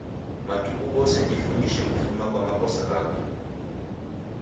Matuku ghose jifundishe kufuma kwa makosa ghako